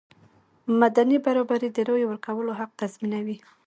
مدني برابري د رایې ورکولو حق تضمینوي.